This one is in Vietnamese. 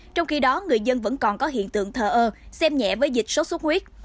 trong khi đó người dân vẫn còn có hiện tượng thờ ơ xem nhẹ với dịch sốt xuất huyết